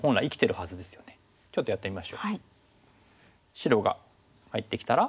白が入ってきたら？